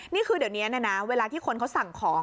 นี่คือเดี๋ยวนี้นะนะเวลาที่คนเขาสั่งของ